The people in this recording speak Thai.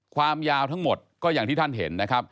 ความยาวทั้งหมดก็อย่างที่ท่านเห็นนะครับ